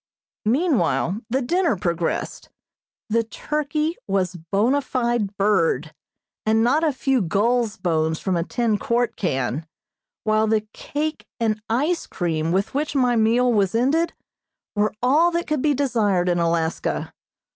Meanwhile the dinner progressed. The turkey was bona fide bird, and not a few gull's bones from a tin quart can, while the cake and ice cream with which my meal was ended, were all that could be desired in Alaska.